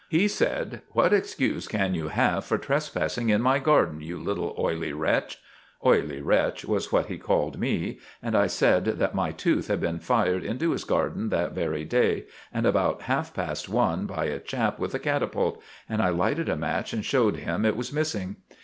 "He said: "'What excuse can you have for trespassing in my garden, you little oily wretch?' "'Oily wretch' was what he called me; and I said that my tooth had been fired into his garden that very day, about half past one, by a chap with a catapult; and I lighted a match and showed him it was missing.